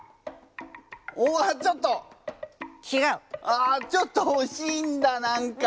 あちょっと惜しいんだ何か。